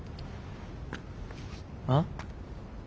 あっ？